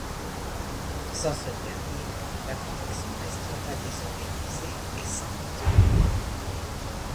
Sans ce dernier, la convection restera désorganisée et sans lendemain.